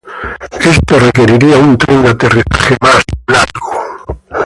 Esto requería un tren de aterrizaje más largo.